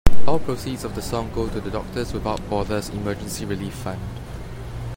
All proceeds of the song go to the Doctors Without Borders Emergency Relief Fund.